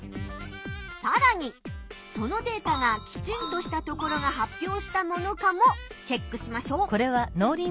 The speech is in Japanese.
さらにそのデータがきちんとしたところが発表したものかもチェックしましょう！